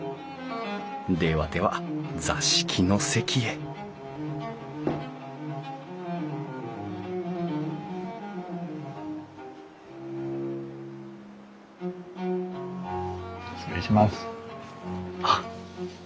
ではでは座敷の席へ失礼します。